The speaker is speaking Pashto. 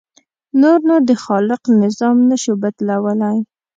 نور نو د خالق نظام نه شو بدلولی.